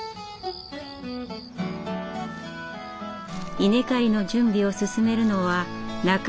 稲刈りの準備を進めるのは中條栄一さん。